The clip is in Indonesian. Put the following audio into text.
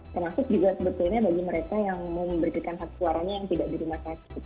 termasuk juga sebetulnya bagi mereka yang mau memberikan hak suaranya yang tidak di rumah sakit